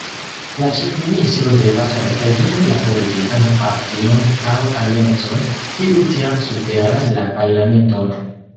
La ĉefministro devas reprezenti la politikan partion aŭ aliancon, kiu tiam superas la Parlamenton.